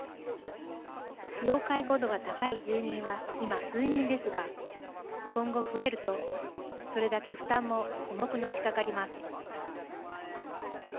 要介護度が高い住人は今、数人ですが今後増えるとそれだけ負担も重くのしかかります。